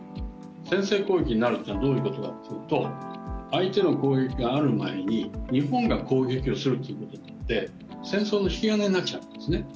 先制攻撃になるというのはどういうことかというと相手の攻撃がある前に日本が攻撃をするっていうことになって戦争の引き金になっちゃうんですね。